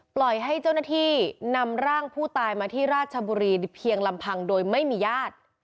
ปล่อยให้เจ้าหน้าที่นำร่างผู้ตายมาที่ราชบุรีเพียงลำพังโดยไม่มีญาติ